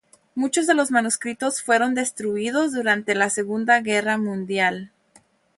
Muchos de los manuscritos fueron destruidos durante la Segunda Guerra Mundial.